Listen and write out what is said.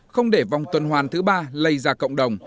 không để vòng tuần hoàn thứ ba lây ra cộng đồng